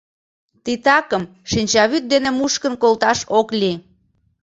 Титакым шинчавӱд дене мушкын колташ ок лий.